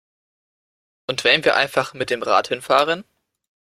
Und wenn wir einfach mit dem Rad hinfahren?